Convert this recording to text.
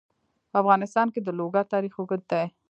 په افغانستان کې د لوگر تاریخ اوږد دی.